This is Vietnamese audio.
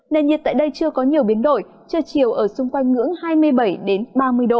nền nhiệt tại đây chưa có nhiều biến đổi trưa chiều ở xung quanh ngưỡng hai mươi bảy ba mươi độ